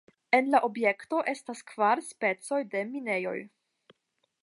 En la objekto estas kvar specoj de minejoj.